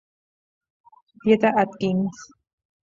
Dieta Atkins